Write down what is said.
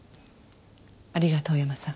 ありがとう山さん。